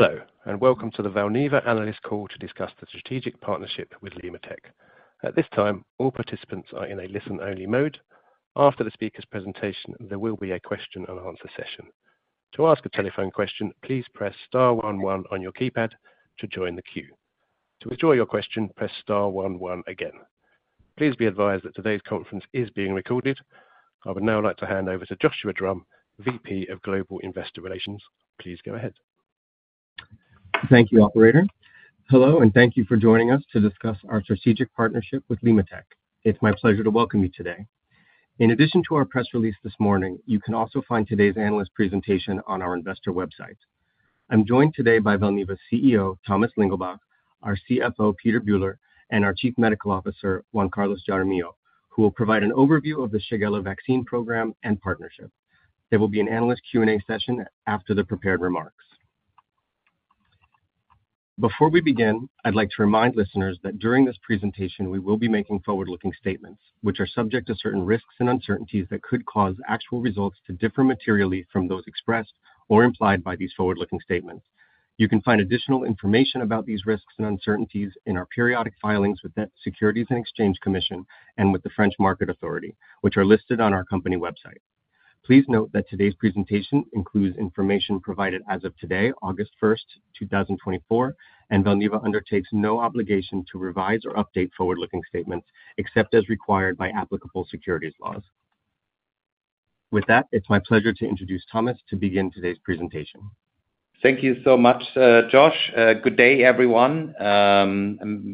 Hello, and welcome to the Valneva Analyst Call to discuss the strategic partnership with LimmaTech. At this time, all participants are in a listen-only mode. After the speaker's presentation, there will be a question-and-answer session. To ask a telephone question, please press star 11 on your keypad to join the queue. To withdraw your question, press star 11 again. Please be advised that today's conference is being recorded. I would now like to hand over to Joshua Drumm, VP of Global Investor Relations. Please go ahead. Thank you, Operator. Hello, and thank you for joining us to discuss our strategic partnership with LimmaTech. It's my pleasure to welcome you today. In addition to our press release this morning, you can also find today's analyst presentation on our investor website. I'm joined today by Valneva's CEO, Thomas Lingelbach, our CFO, Peter Bühler, and our Chief Medical Officer, Juan Carlos Jaramillo, who will provide an overview of the Shigella vaccine program and partnership. There will be an analyst Q&A session after the prepared remarks. Before we begin, I'd like to remind listeners that during this presentation, we will be making forward-looking statements, which are subject to certain risks and uncertainties that could cause actual results to differ materially from those expressed or implied by these forward-looking statements. You can find additional information about these risks and uncertainties in our periodic filings with the Securities and Exchange Commission and with the French Market Authority, which are listed on our company website. Please note that today's presentation includes information provided as of today, August 1, 2024, and Valneva undertakes no obligation to revise or update forward-looking statements except as required by applicable securities laws. With that, it's my pleasure to introduce Thomas to begin today's presentation. Thank you so much, Josh. Good day, everyone.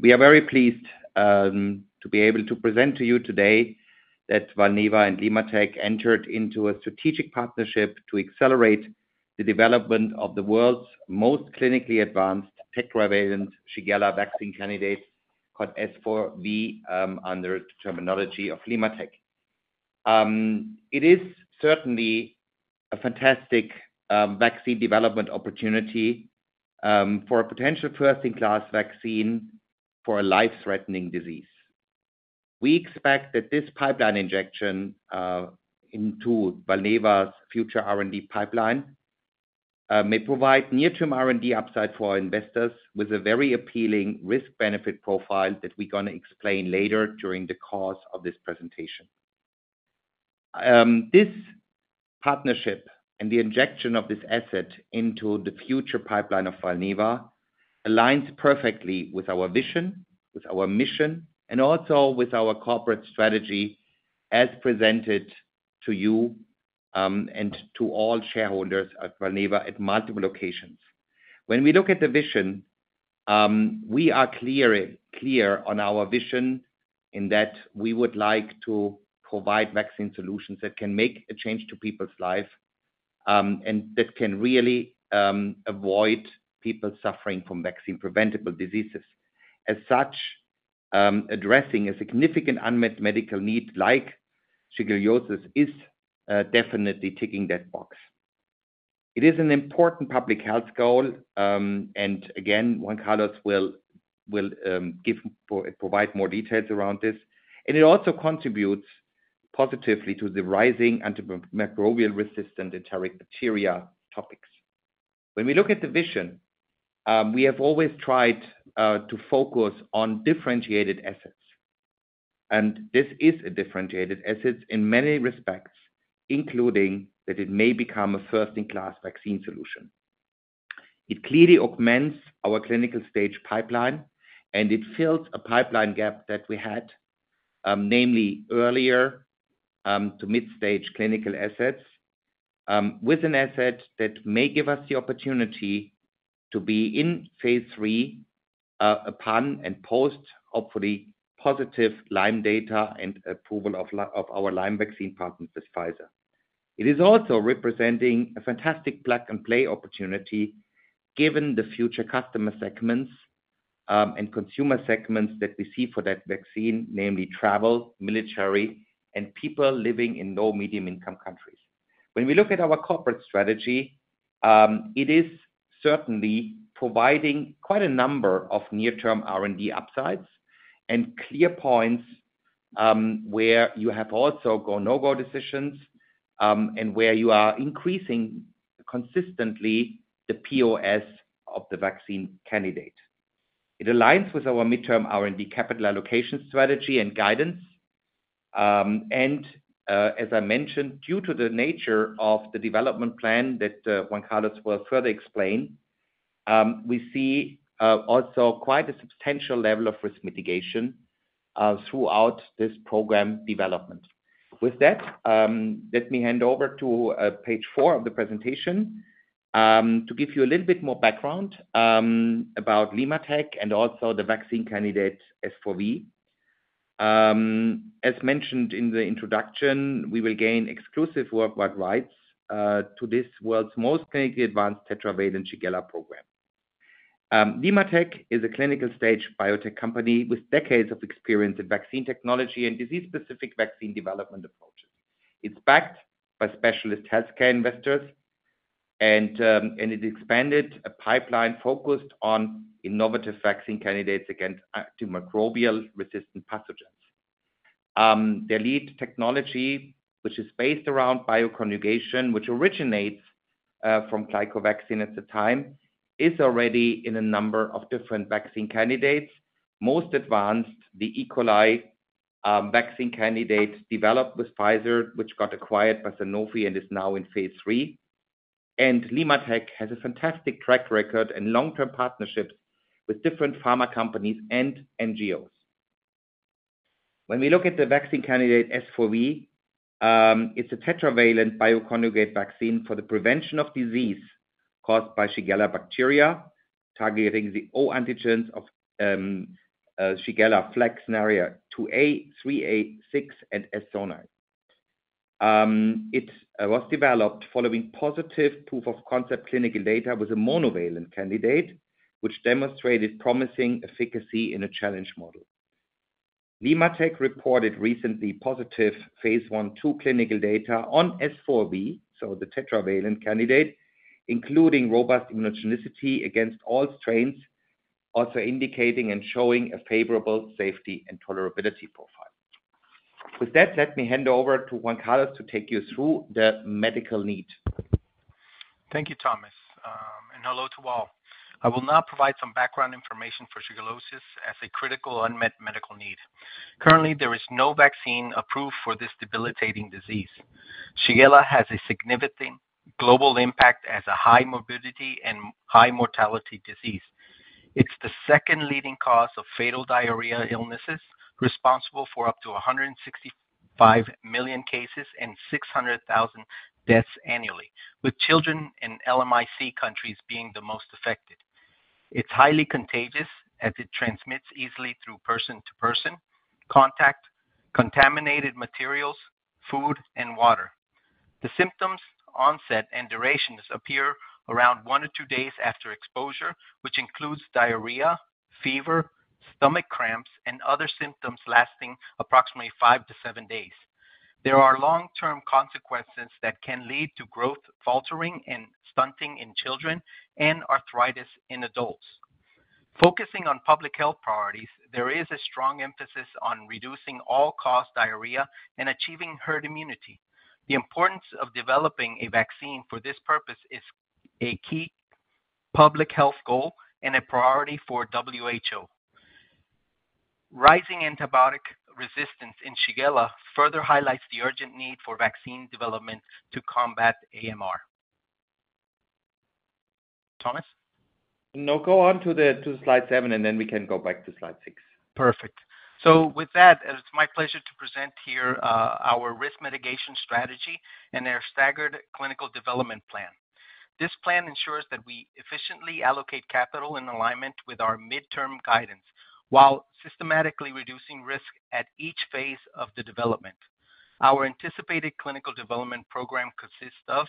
We are very pleased to be able to present to you today that Valneva and LimmaTech entered into a strategic partnership to accelerate the development of the world's most clinically advanced tetravalent Shigella vaccine candidate, called S4V, under the terminology of LimmaTech. It is certainly a fantastic vaccine development opportunity for a potential first-in-class vaccine for a life-threatening disease. We expect that this pipeline injection into Valneva's future R&D pipeline may provide near-term R&D upside for investors with a very appealing risk-benefit profile that we're going to explain later during the course of this presentation. This partnership and the injection of this asset into the future pipeline of Valneva aligns perfectly with our vision, with our mission, and also with our corporate strategy as presented to you and to all shareholders of Valneva at multiple locations. When we look at the vision, we are clear on our vision in that we would like to provide vaccine solutions that can make a change to people's lives and that can really avoid people suffering from vaccine-preventable diseases. As such, addressing a significant unmet medical need like shigellosis is definitely ticking that box. It is an important public health goal, and again, Juan Carlos will provide more details around this. It also contributes positively to the rising antimicrobial resistant enteric bacteria topics. When we look at the vision, we have always tried to focus on differentiated assets. This is a differentiated asset in many respects, including that it may become a first-in-class vaccine solution. It clearly augments our clinical stage pipeline, and it fills a pipeline gap that we had, namely earlier to mid-stage clinical assets with an asset that may give us the opportunity to be in phase III upon and post, hopefully, positive Lyme data and approval of our Lyme vaccine partners, Pfizer. It is also representing a fantastic plug-and-play opportunity given the future customer segments and consumer segments that we see for that vaccine, namely travel, military, and people living in low- and middle-income countries. When we look at our corporate strategy, it is certainly providing quite a number of near-term R&D upsides and clear points where you have also go-no-go decisions and where you are increasing consistently the POS of the vaccine candidate. It aligns with our mid-term R&D capital allocation strategy and guidance. As I mentioned, due to the nature of the development plan that Juan Carlos will further explain, we see also quite a substantial level of risk mitigation throughout this program development. With that, let me hand over to page four of the presentation to give you a little bit more background about LimmaTech and also the vaccine candidate S4V. As mentioned in the introduction, we will gain exclusive worldwide rights to this world's most clinically advanced tetravalent Shigella program. LimmaTech is a clinical stage biotech company with decades of experience in vaccine technology and disease-specific vaccine development approaches. It's backed by specialist healthcare investors, and it expanded a pipeline focused on innovative vaccine candidates against antimicrobial resistant pathogens. Their lead technology, which is based around bioconjugation, which originates from GlycoVaxyn at the time, is already in a number of different vaccine candidates. Most advanced, the E. coli vaccine candidate developed with Pfizer, which got acquired by Sanofi and is now in phase III. LimmaTech has a fantastic track record and long-term partnerships with different pharma companies and NGOs. When we look at the vaccine candidate S4V, it's a tetravalent bioconjugate vaccine for the prevention of disease caused by Shigella bacteria, targeting the O antigens of Shigella flexneri 2a, 3a, 6, and S. sonnei. It was developed following positive proof-of-concept clinical data with a monovalent candidate, which demonstrated promising efficacy in a challenge model. LimmaTech reported recently positive phase I/2 clinical data on S4V, so the tetravalent candidate, including robust immunogenicity against all strains, also indicating and showing a favorable safety and tolerability profile. With that, let me hand over to Juan Carlos to take you through the medical need. Thank you, Thomas. Hello to all. I will now provide some background information for shigellosis as a critical unmet medical need. Currently, there is no vaccine approved for this debilitating disease. Shigella has a significant global impact as a high-morbidity and high-mortality disease. It's the second leading cause of fatal diarrheal illnesses, responsible for up to 165 million cases and 600,000 deaths annually, with children in LMIC countries being the most affected. It's highly contagious as it transmits easily through person-to-person contact, contaminated materials, food, and water. The symptoms, onset, and durations appear around one or two days after exposure, which includes diarrhea, fever, stomach cramps, and other symptoms lasting approximately five-seven days. There are long-term consequences that can lead to growth, faltering, and stunting in children and arthritis in adults. Focusing on public health priorities, there is a strong emphasis on reducing all-cause diarrhea and achieving herd immunity. The importance of developing a vaccine for this purpose is a key public health goal and a priority for WHO. Rising antibiotic resistance in Shigella further highlights the urgent need for vaccine development to combat AMR. Thomas. Now go on to slide seven, and then we can go back to slide six. Perfect. So with that, it's my pleasure to present here our risk mitigation strategy and our staggered clinical development plan. This plan ensures that we efficiently allocate capital in alignment with our mid-term guidance while systematically reducing risk at each phase of the development. Our anticipated clinical development program consists of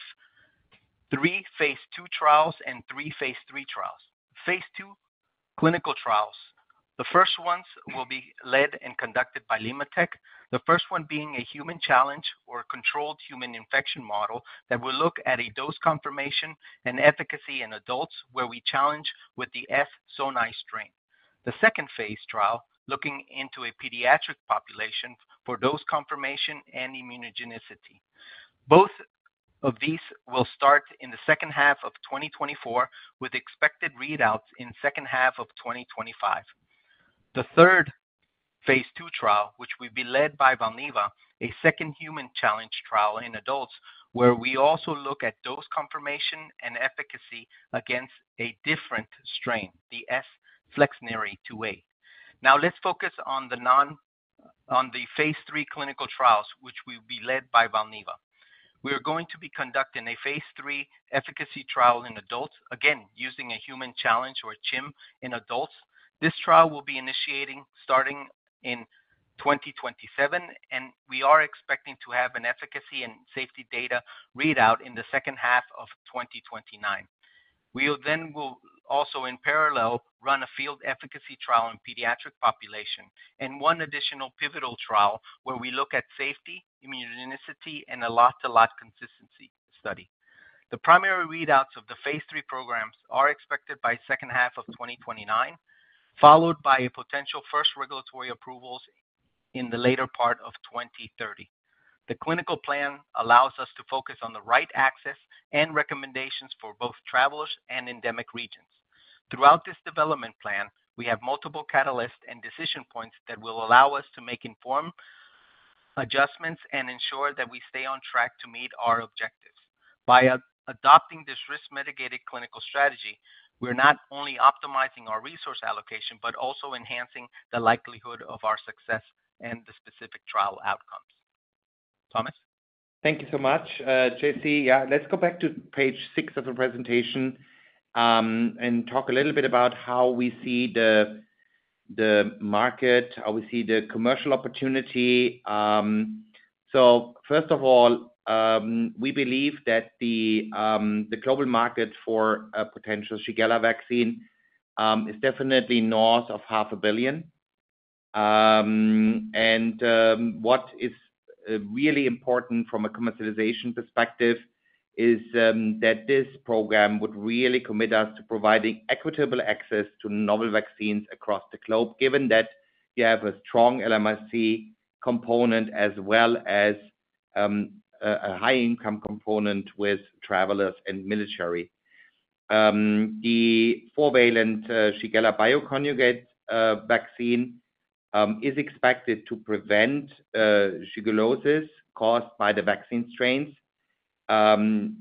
three phase II trials and three phase III trials. Phase II clinical trials. The first ones will be led and conducted by LimmaTech, the first one being a human challenge or controlled human infection model that will look at a dose confirmation and efficacy in adults, where we challenge with the S-sonnei strain. The second phase trial looking into a pediatric population for dose confirmation and immunogenicity. Both of these will start in the second half of 2024 with expected readouts in the second half of 2025. The third phase II trial, which will be led by Valneva, a second human challenge trial in adults, where we also look at dose confirmation and efficacy against a different strain, the S. flexneri 2A. Now, let's focus on the phase III clinical trials, which will be led by Valneva. We are going to be conducting a phase III efficacy trial in adults, again, using a human challenge or a Chim in adults. This trial will be initiating starting in 2027, and we are expecting to have an efficacy and safety data readout in the second half of 2029. We then will also, in parallel, run a field efficacy trial in pediatric population and one additional pivotal trial where we look at safety, immunogenicity, and a lot-to-lot consistency study. The primary readouts of the Phase III programs are expected by the second half of 2029, followed by potential first regulatory approvals in the later part of 2030. The clinical plan allows us to focus on the right access and recommendations for both travelers and endemic regions. Throughout this development plan, we have multiple catalysts and decision points that will allow us to make informed adjustments and ensure that we stay on track to meet our objectives. By adopting this risk-mitigated clinical strategy, we're not only optimizing our resource allocation, but also enhancing the likelihood of our success and the specific trial outcomes. Thomas. Thank you so much. Jesse, yeah, let's go back to page six of the presentation and talk a little bit about how we see the market, how we see the commercial opportunity. First of all, we believe that the global market for a potential Shigella vaccine is definitely north of 500 million. What is really important from a commercialization perspective is that this program would really commit us to providing equitable access to novel vaccines across the globe, given that you have a strong LMIC component as well as a high-income component with travelers and military. The four-valent Shigella bioconjugate vaccine is expected to prevent shigellosis caused by the vaccine strains and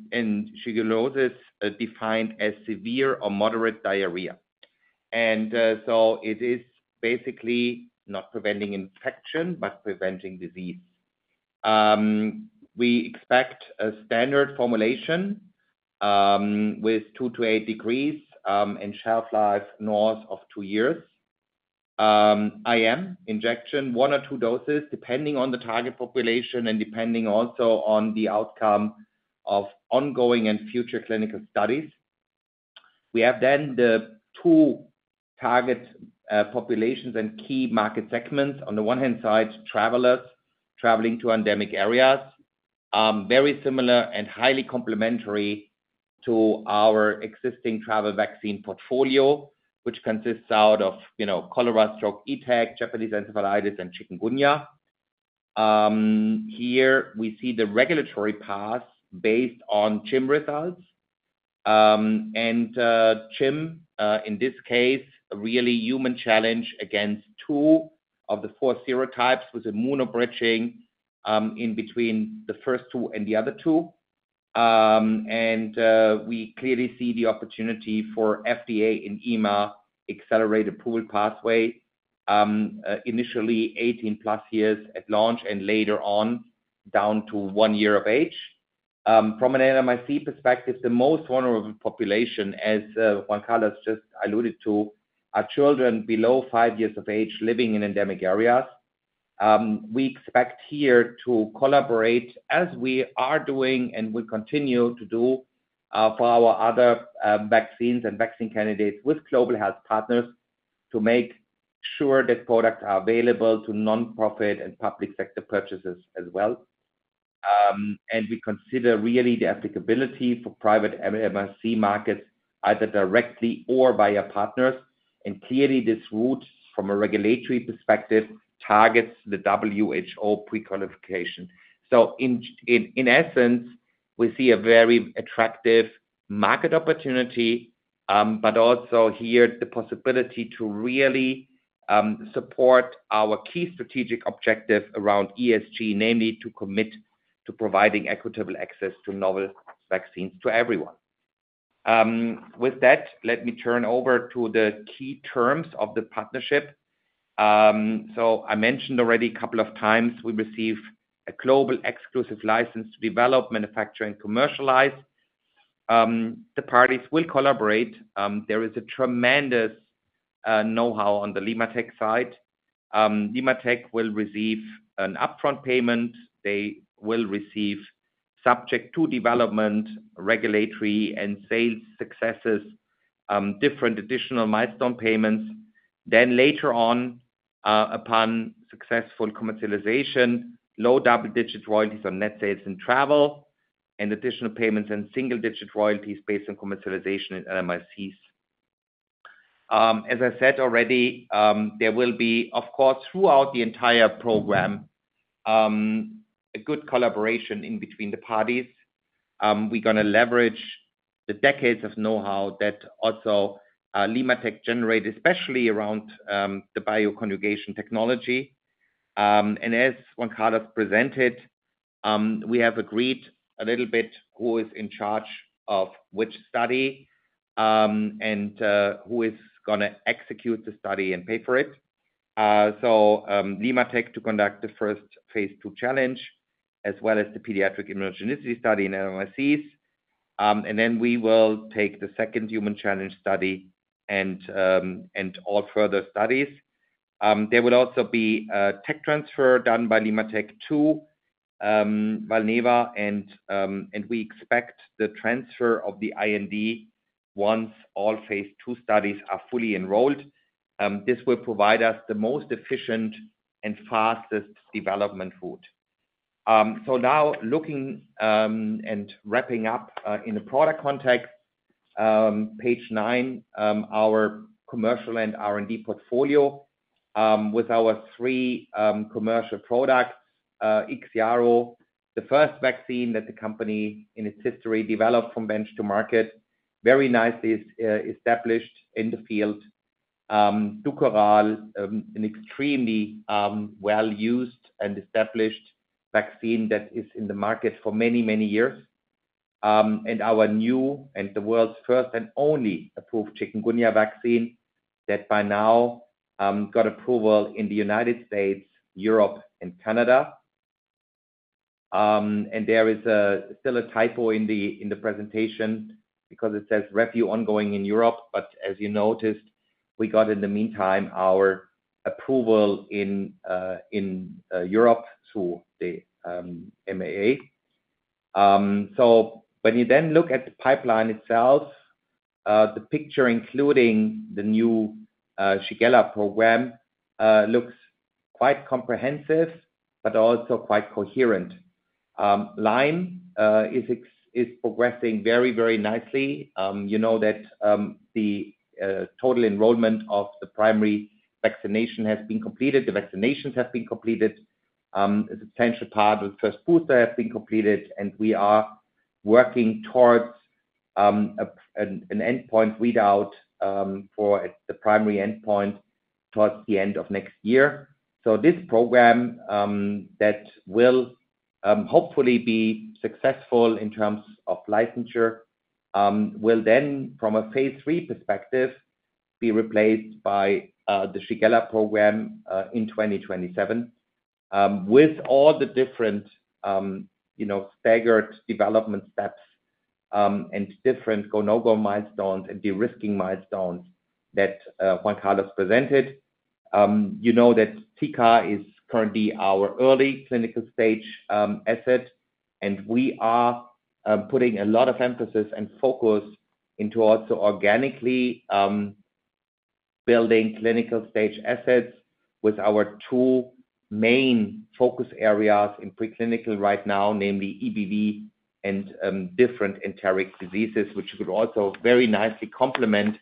shigellosis defined as severe or moderate diarrhea. It is basically not preventing infection, but preventing disease. We expect a standard formulation with two-eight degrees and shelf life north of two years. IM injection, one or two doses, depending on the target population and depending also on the outcome of ongoing and future clinical studies. We have then the two target populations and key market segments. On the one hand side, travelers traveling to endemic areas, very similar and highly complementary to our existing travel vaccine portfolio, which consists out of cholera, Shigella, ETEC, Japanese encephalitis, and chikungunya. Here we see the regulatory path based on CHIM results. CHIM, in this case, really human challenge against two of the four serotypes with immuno bridging in between the first two and the other two. We clearly see the opportunity for FDA and EMA accelerated approval pathway, initially 18+ years at launch and later on down to one year of age. From an LMIC perspective, the most vulnerable population, as Juan Carlos just alluded to, are children below five years of age living in endemic areas. We expect here to collaborate as we are doing and will continue to do for our other vaccines and vaccine candidates with global health partners to make sure that products are available to nonprofit and public sector purchases as well. We consider really the applicability for private LMIC markets either directly or via partners. Clearly, this route from a regulatory perspective targets the WHO pre-qualification. In essence, we see a very attractive market opportunity, but also here the possibility to really support our key strategic objective around ESG, namely to commit to providing equitable access to novel vaccines to everyone. With that, let me turn over to the key terms of the partnership. So I mentioned already a couple of times we receive a global exclusive license to develop, manufacture, and commercialize. The parties will collaborate. There is a tremendous know-how on the LimmaTech side. LimmaTech will receive an upfront payment. They will receive, subject to development, regulatory, and sales successes, different additional milestone payments. Then later on, upon successful commercialization, low double-digit royalties on net sales and travel, and additional payments and single-digit royalties based on commercialization in LMICs. As I said already, there will be, of course, throughout the entire program, a good collaboration in between the parties. We're going to leverage the decades of know-how that also LimmaTech generated, especially around the bioconjugation technology. And as Juan Carlos presented, we have agreed a little bit who is in charge of which study and who is going to execute the study and pay for it. So LimmaTech to conduct the first phase II challenge, as well as the pediatric immunogenicity study in LMICs. And then we will take the second human challenge study and all further studies. There will also be a tech transfer done by LimmaTech to Valneva, and we expect the transfer of the IND once all phase II studies are fully enrolled. This will provide us the most efficient and fastest development route. So now looking and wrapping up in a product context, page nine, our commercial and R&D portfolio with our three commercial products, Ixiaro, the first vaccine that the company in its history developed from bench to market, very nicely established in the field, Dukoral, an extremely well-used and established vaccine that is in the market for many, many years. Our new and the world's first and only approved Chikungunya vaccine that by now got approval in the United States, Europe, and Canada. There is still a typo in the presentation because it says review ongoing in Europe, but as you noticed, we got in the meantime our approval in Europe through the MAA. So when you then look at the pipeline itself, the picture, including the new Shigella program, looks quite comprehensive, but also quite coherent. Limma is progressing very, very nicely. You know that the total enrollment of the primary vaccination has been completed. The vaccinations have been completed. A substantial part of the first booster has been completed, and we are working towards an endpoint readout for the primary endpoint towards the end of next year. So this program that will hopefully be successful in terms of licensure will then, from a phase III perspective, be replaced by the Shigella program in 2027. With all the different staggered development steps and different go/no-go milestones and derisking milestones that Juan Carlos presented, you know that Zika is currently our early clinical stage asset, and we are putting a lot of emphasis and focus into also organically building clinical stage assets with our two main focus areas in preclinical right now, namely EBV and different enteric diseases, which could also very nicely complement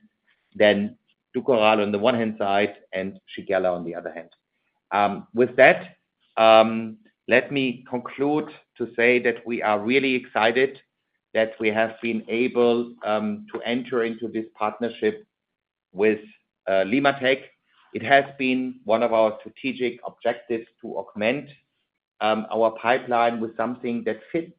then Dukoral on the one hand side and Shigella on the other hand. With that, let me conclude to say that we are really excited that we have been able to enter into this partnership with LimmaTech. It has been one of our strategic objectives to augment our pipeline with something that fits,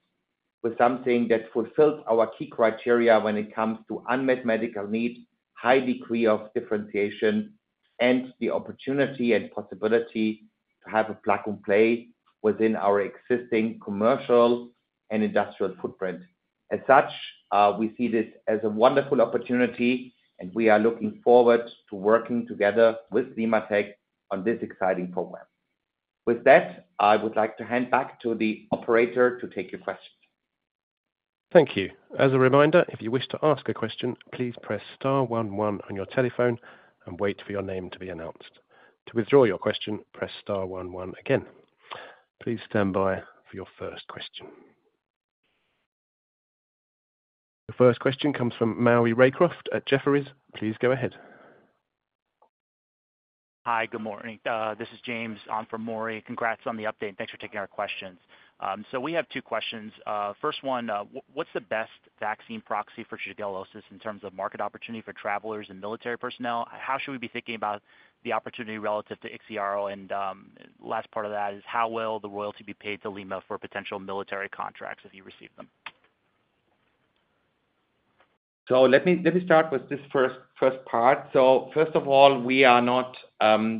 with something that fulfills our key criteria when it comes to unmet medical needs, high degree of differentiation, and the opportunity and possibility to have a plug and play within our existing commercial and industrial footprint. As such, we see this as a wonderful opportunity, and we are looking forward to working together with LimmaTech on this exciting program. With that, I would like to hand back to the operator to take your questions. Thank you. As a reminder, if you wish to ask a question, please press star 11 on your telephone and wait for your name to be announced. To withdraw your question, press star 11 again. Please stand by for your first question. The first question comes from Maury Raycroft at Jefferies. Please go ahead. Hi, good morning. This is James. I'm from Maury. Congrats on the update. Thanks for taking our questions. So we have two questions. First one, what's the best vaccine proxy for shigellosis in terms of market opportunity for travelers and military personnel? How should we be thinking about the opportunity relative to IXIARO? And last part of that is how will the royalty be paid to LimmaTech for potential military contracts if you receive them? So let me start with this first part. So first of all, we are not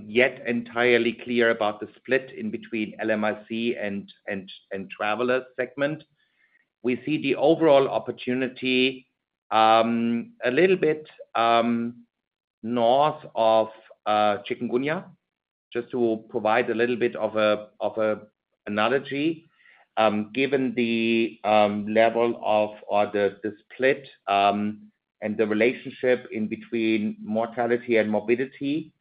yet entirely clear about the split in between LMIC and travelers segment. We see the overall opportunity a little bit north of chikungunya, just to provide a little bit of an analogy. Given the level of the split and the relationship in between mortality and morbidity,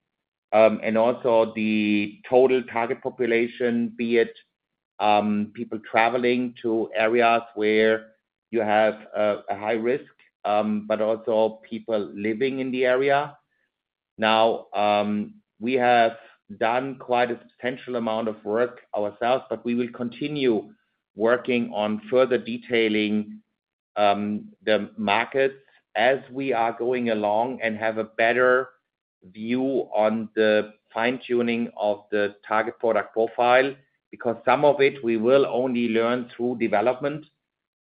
and also the total target population, be it people traveling to areas where you have a high risk, but also people living in the area. Now, we have done quite a substantial amount of work ourselves, but we will continue working on further detailing the markets as we are going along and have a better view on the fine-tuning of the target product profile, because some of it we will only learn through development.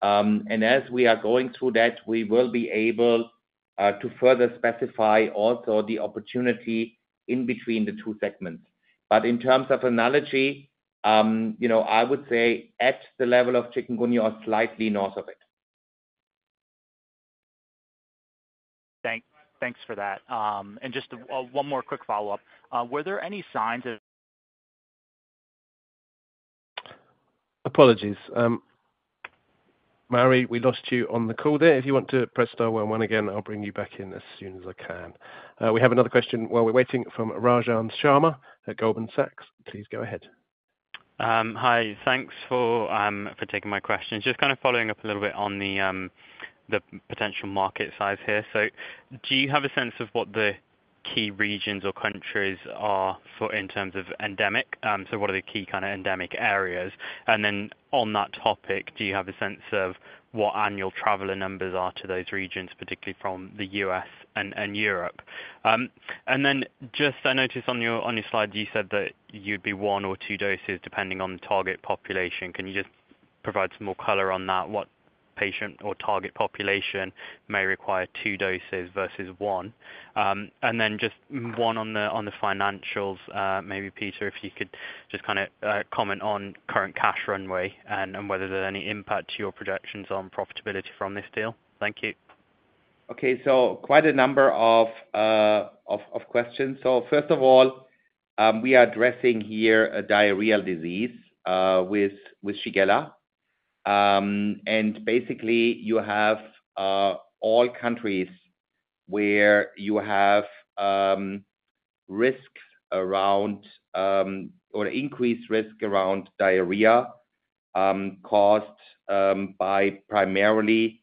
As we are going through that, we will be able to further specify also the opportunity in between the two segments. In terms of analogy, I would say at the level of chikungunya or slightly north of it. Thanks for that. Just one more quick follow-up. Were there any signs of? Apologies. Maury, we lost you on the call there. If you want to press star one one again, I'll bring you back in as soon as I can. We have another question while we're waiting from Rajan Sharma at Goldman Sachs. Please go ahead. Hi. Thanks for taking my question. Just kind of following up a little bit on the potential market size here. So do you have a sense of what the key regions or countries are in terms of endemic? So what are the key kind of endemic areas? And then on that topic, do you have a sense of what annual traveler numbers are to those regions, particularly from the U.S. and Europe? And then just I noticed on your slide, you said that you'd be one or two doses depending on the target population. Can you just provide some more color on that? What patient or target population may require two doses versus one? And then just one on the financials, maybe Peter, if you could just kind of comment on current cash runway and whether there's any impact to your projections on profitability from this deal. Thank you. Okay. So quite a number of questions. First of all, we are addressing here a diarrheal disease with Shigella. And basically, you have all countries where you have risks around or increased risk around diarrhea caused by primarily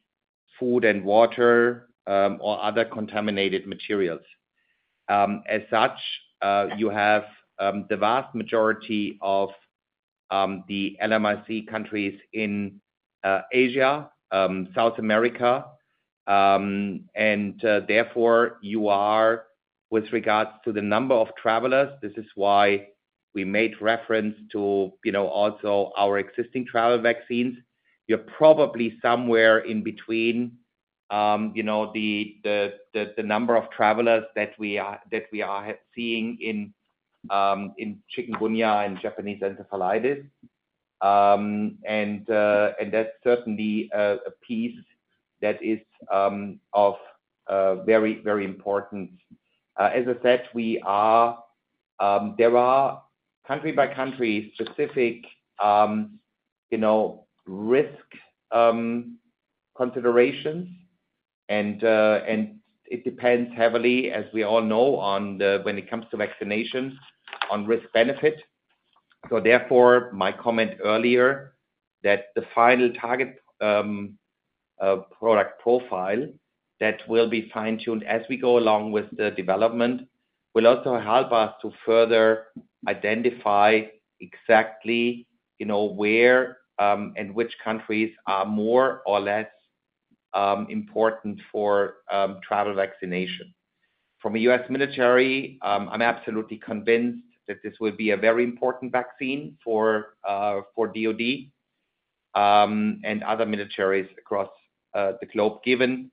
food and water or other contaminated materials. As such, you have the vast majority of the LMIC countries in Asia, South America. And therefore, you are, with regards to the number of travelers, this is why we made reference to also our existing travel vaccines; you're probably somewhere in between the number of travelers that we are seeing in chikungunya and Japanese encephalitis. And that's certainly a piece that is of very, very important. As I said, there are country-by-country specific risk considerations, and it depends heavily, as we all know, when it comes to vaccinations on risk-benefit. So therefore, my comment earlier that the final target product profile that will be fine-tuned as we go along with the development will also help us to further identify exactly where and which countries are more or less important for travel vaccination. From a U.S. military, I'm absolutely convinced that this will be a very important vaccine for DOD and other militaries across the globe, given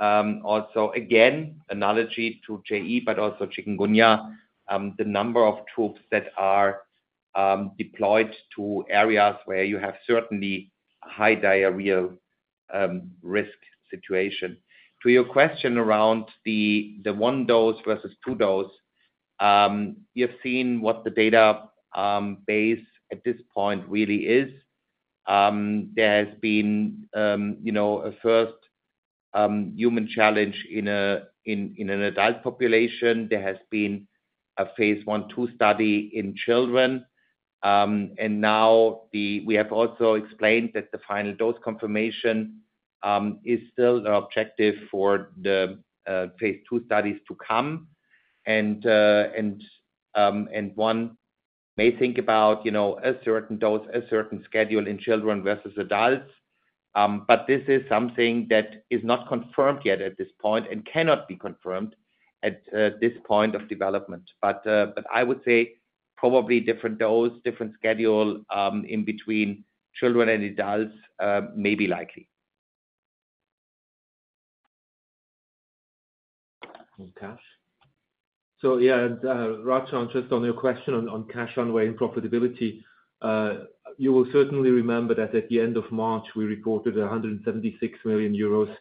also, again, analogy to JE, but also chikungunya, the number of troops that are deployed to areas where you have certainly a high diarrheal risk situation. To your question around the one dose versus two dose, you've seen what the database at this point really is. There has been a first human challenge in an adult population. There has been a phase I/2 study in children. Now we have also explained that the final dose confirmation is still an objective for the phase two studies to come. One may think about a certain dose, a certain schedule in children versus adults, but this is something that is not confirmed yet at this point and cannot be confirmed at this point of development. I would say probably different dose, different schedule in between children and adults may be likely. So yeah, Rajan, just on your question on cash runway and profitability, you will certainly remember that at the end of March, we reported 176 million euros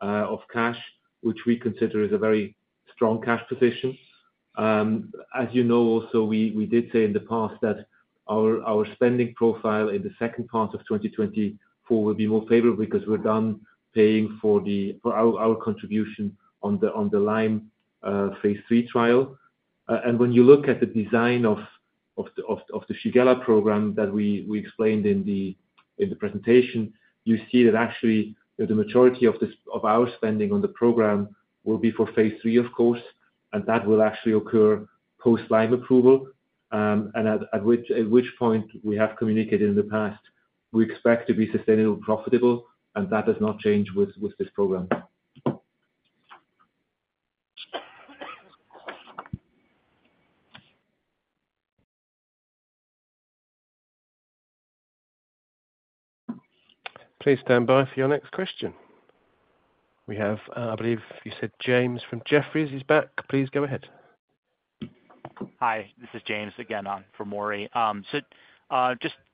of cash, which we consider is a very strong cash position. As you know, also, we did say in the past that our spending profile in the second part of 2024 will be more favorable because we're done paying for our contribution on the Lyme phase III trial. And when you look at the design of the Shigella program that we explained in the presentation, you see that actually the majority of our spending on the program will be for phase III, of course, and that will actually occur post-Lyme approval. And at which point we have communicated in the past, we expect to be sustainable, profitable, and that does not change with this program. Please stand by for your next question. We have, I believe you said James from Jefferies is back. Please go ahead. Hi, this is James again for Mauri again. So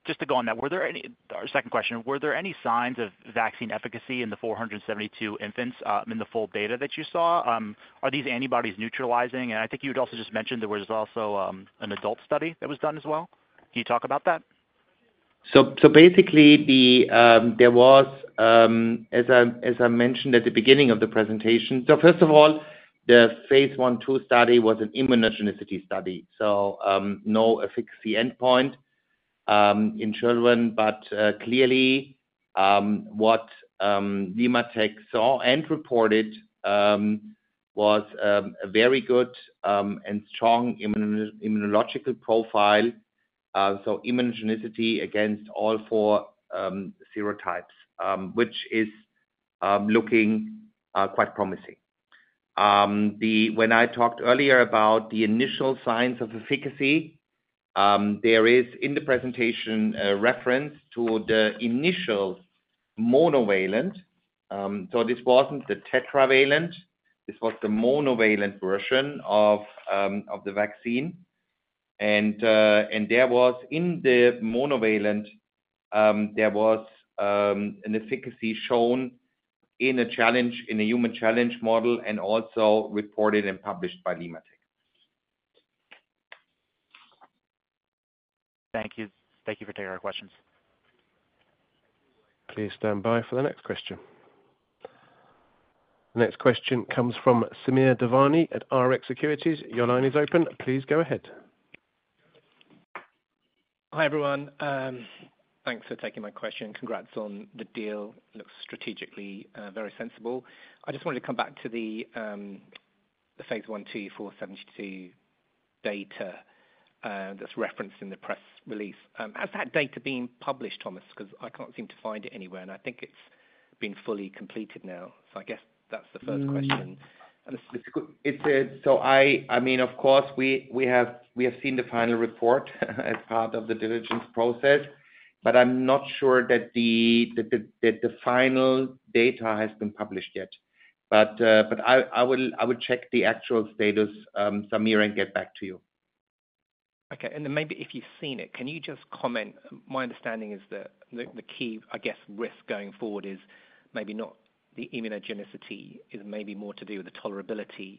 just to go on that, our second question, were there any signs of vaccine efficacy in the 472 infants in the full data that you saw? Are these antibodies neutralizing? And I think you had also just mentioned there was also an adult study that was done as well. Can you talk about that? So basically, there was, as I mentioned at the beginning of the presentation, so first of all, the phase I/2 study was an immunogenicity study. So no efficacy endpoint in children, but clearly what LimmaTech saw and reported was a very good and strong immunological profile. So immunogenicity against all four serotypes, which is looking quite promising. When I talked earlier about the initial signs of efficacy, there is in the presentation a reference to the initial monovalent. So this wasn't the tetravalent. This was the monovalent version of the vaccine. And in the monovalent, there was an efficacy shown in a human challenge model and also reported and published by LimmaTech. Thank you. Thank you for taking our questions. Please stand by for the next question. The next question comes from Samir Devani at RX Securities. Your line is open. Please go ahead. Hi everyone. Thanks for taking my question. Congrats on the deal. Looks strategically very sensible. I just wanted to come back to the phase I/2 VLA15 data that's referenced in the press release. Has that data been published, Thomas? Because I can't seem to find it anywhere, and I think it's been fully completed now. So I guess that's the first question. I mean, of course, we have seen the final report as part of the diligence process, but I'm not sure that the final data has been published yet. I will check the actual status, Samir, and get back to you. Okay. And then maybe if you've seen it, can you just comment? My understanding is that the key, I guess, risk going forward is maybe not the immunogenicity is maybe more to do with the tolerability.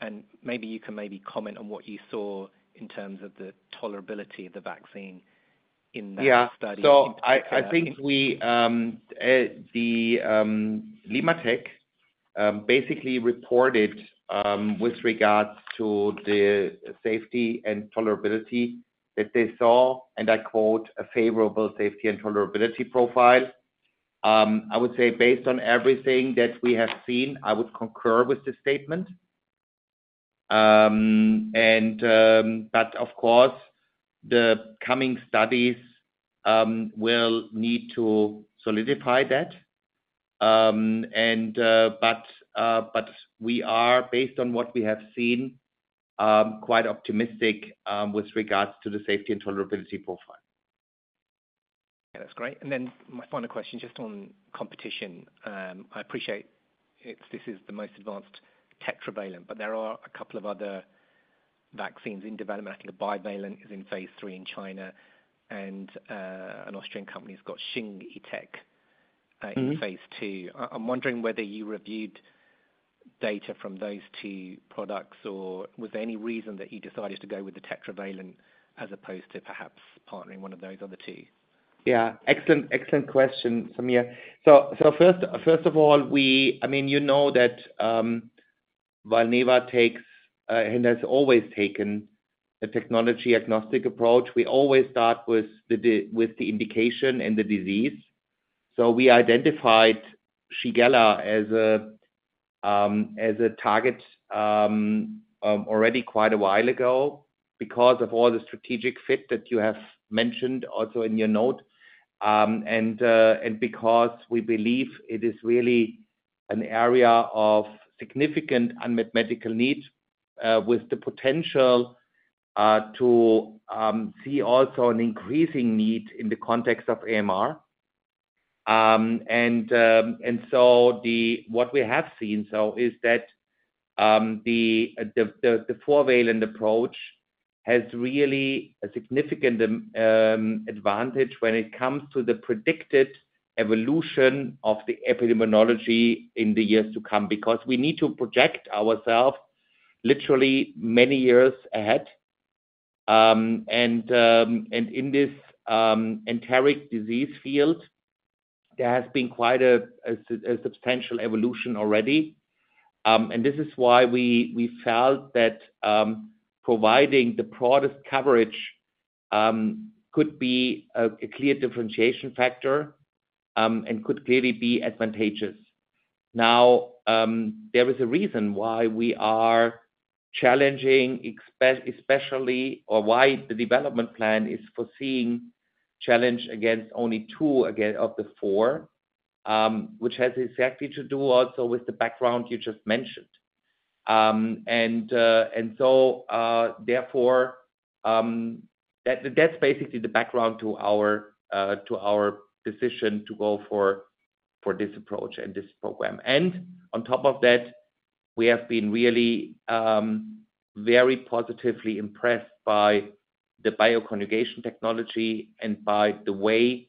And maybe you can maybe comment on what you saw in terms of the tolerability of the vaccine in that study. Yeah. So I think the LimmaTech basically reported with regards to the safety and tolerability that they saw, and I quote, "a favorable safety and tolerability profile." I would say based on everything that we have seen, I would concur with the statement. But of course, the coming studies will need to solidify that. But we are, based on what we have seen, quite optimistic with regards to the safety and tolerability profile. Yeah, that's great. Then my final question just on competition. I appreciate this is the most advanced tetravalent, but there are a couple of other vaccines in development. I think a bivalent is in phase III in China, and an Austrian company has got LimmaTech in phase II. I'm wondering whether you reviewed data from those two products, or was there any reason that you decided to go with the tetravalent as opposed to perhaps partnering one of those other two? Yeah. Excellent question, Samir. So first of all, I mean, you know that Valneva takes and has always taken a technology-agnostic approach. We always start with the indication and the disease. So we identified Shigella as a target already quite a while ago because of all the strategic fit that you have mentioned also in your note. And because we believe it is really an area of significant unmet medical need with the potential to see also an increasing need in the context of AMR. And so what we have seen is that the four-valent approach has really a significant advantage when it comes to the predicted evolution of the epidemiology in the years to come because we need to project ourselves literally many years ahead. And in this enteric disease field, there has been quite a substantial evolution already. This is why we felt that providing the broadest coverage could be a clear differentiation factor and could clearly be advantageous. Now, there is a reason why we are challenging, especially or why the development plan is foreseeing challenge against only two of the four, which has exactly to do also with the background you just mentioned. So therefore, that's basically the background to our decision to go for this approach and this program. On top of that, we have been really very positively impressed by the bioconjugation technology and by the way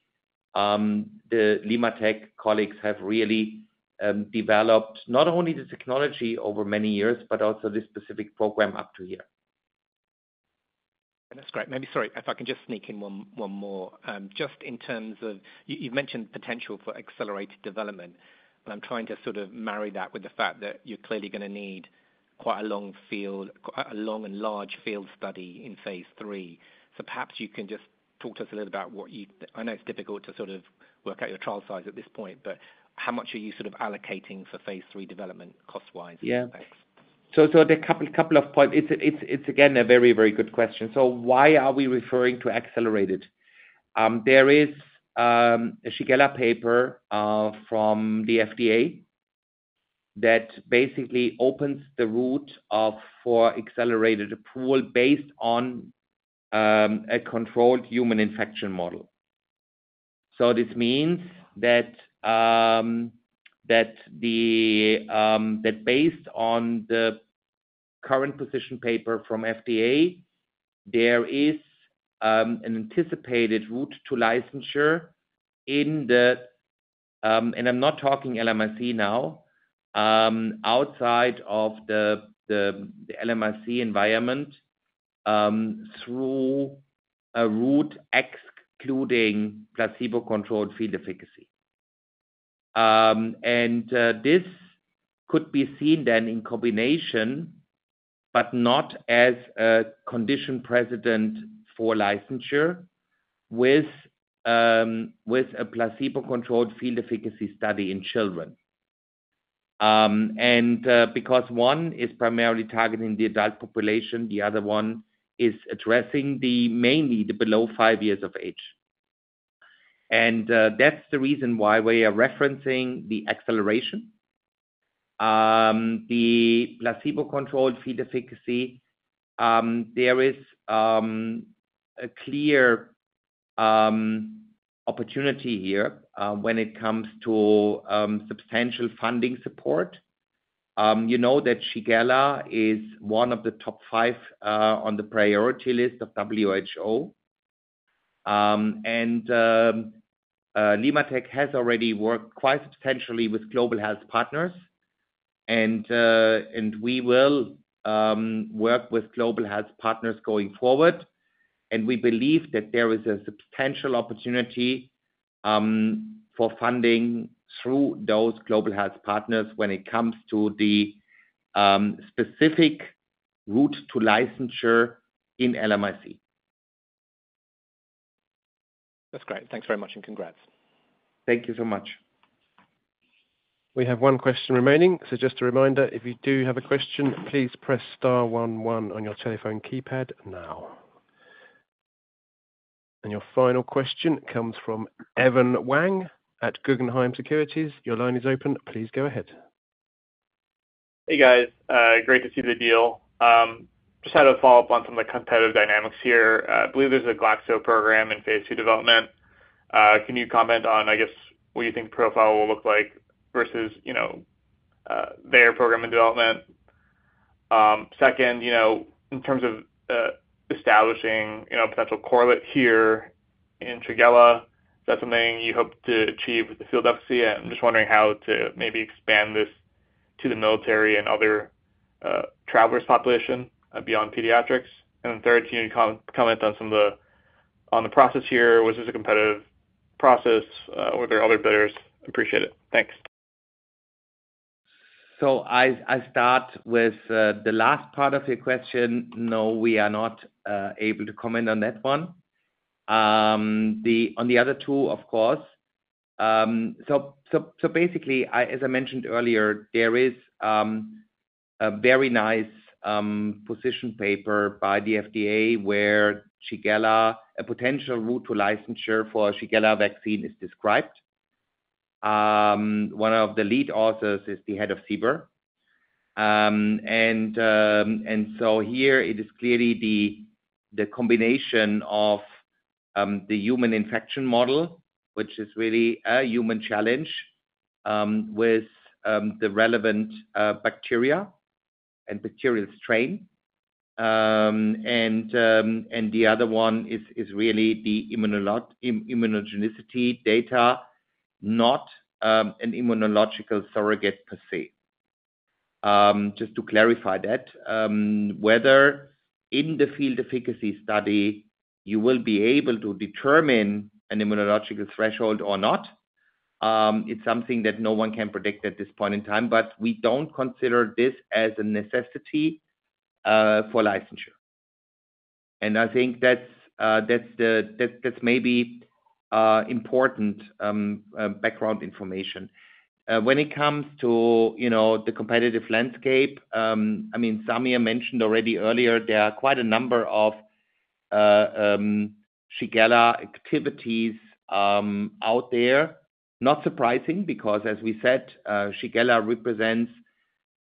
the LimmaTech colleagues have really developed not only the technology over many years, but also this specific program up to here. That's great. Maybe, sorry, if I can just sneak in one more. Just in terms of you've mentioned potential for accelerated development, and I'm trying to sort of marry that with the fact that you're clearly going to need quite a long field, a long and large field study in phase III. So perhaps you can just talk to us a little about what you I know it's difficult to sort of work out your trial size at this point, but how much are you sort of allocating for phase III development cost-wise in the next? Yeah. So a couple of points. It's again a very, very good question. So why are we referring to accelerated? There is a Shigella paper from the FDA that basically opens the route for accelerated approval based on a controlled human infection model. So this means that based on the current position paper from FDA, there is an anticipated route to licensure in the—and I'm not talking LMIC now—outside of the LMIC environment through a route excluding placebo-controlled field efficacy. And this could be seen then in combination, but not as a condition precedent for licensure with a placebo-controlled field efficacy study in children. And because one is primarily targeting the adult population, the other one is addressing mainly the below five years of age. And that's the reason why we are referencing the acceleration. The placebo-controlled field efficacy, there is a clear opportunity here when it comes to substantial funding support. You know that Shigella is one of the top five on the priority list of WHO. LimmaTech has already worked quite substantially with global health partners. We will work with global health partners going forward. We believe that there is a substantial opportunity for funding through those global health partners when it comes to the specific route to licensure in LMIC. That's great. Thanks very much and congrats. Thank you so much. We have one question remaining. So just a reminder, if you do have a question, please press star 11 on your telephone keypad now. And your final question comes from Evan Wang at Guggenheim Securities. Your line is open. Please go ahead. Hey, guys. Great to see the deal. Just had a follow-up on some of the competitive dynamics here. I believe there's a Glaxo program in phase II development. Can you comment on, I guess, what you think the profile will look like versus their program in development? Second, in terms of establishing a potential correlate here in Shigella, is that something you hope to achieve with the field efficacy? I'm just wondering how to maybe expand this to the military and other travelers' population beyond pediatrics. And then third, can you comment on some of the process here? Was this a competitive process? Were there other players? Appreciate it. Thanks. So I start with the last part of your question. No, we are not able to comment on that one. On the other two, of course. So basically, as I mentioned earlier, there is a very nice position paper by the FDA where Shigella, a potential route to licensure for Shigella vaccine, is described. One of the lead authors is the head of CBER. And so here, it is clearly the combination of the human infection model, which is really a human challenge with the relevant bacteria and bacterial strain. And the other one is really the immunogenicity data, not an immunological surrogate per se. Just to clarify that, whether in the field efficacy study, you will be able to determine an immunological threshold or not, it's something that no one can predict at this point in time, but we don't consider this as a necessity for licensure. And I think that's maybe important background information. When it comes to the competitive landscape, I mean, Samir mentioned already earlier, there are quite a number of Shigella activities out there. Not surprising because, as we said, Shigella represents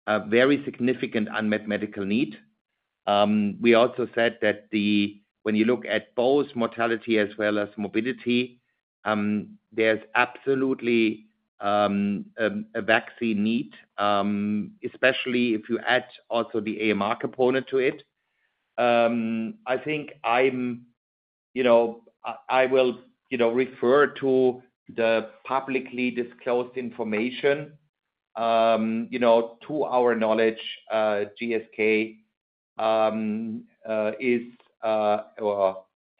a very significant unmet medical need. We also said that when you look at both mortality as well as morbidity, there's absolutely a vaccine need, especially if you add also the AMR component to it. I think I will refer to the publicly disclosed information to our knowledge GSK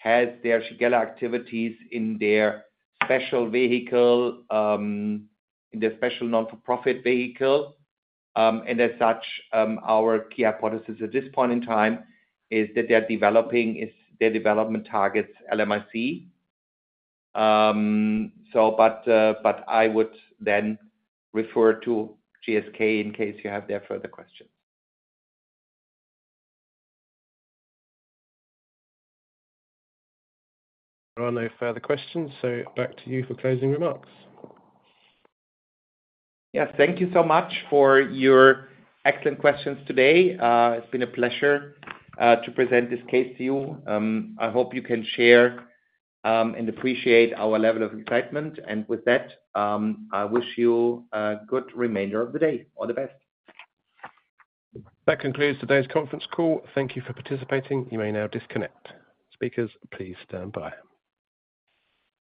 has their Shigella activities in their special vehicle, in their special non-for-profit vehicle. And as such, our key hypothesis at this point in time is that their development targets LMIC. But I would then refer to GSK in case you have their further questions. There are no further questions. Back to you for closing remarks. Yes. Thank you so much for your excellent questions today. It's been a pleasure to present this case to you. I hope you can share and appreciate our level of excitement. And with that, I wish you a good remainder of the day. All the best. That concludes today's conference call. Thank you for participating. You may now disconnect. Speakers, please stand by.